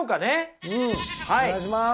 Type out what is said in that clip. うんお願いします。